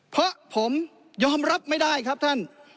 เพราะผมยอมรับไม่ได้ครับท่าน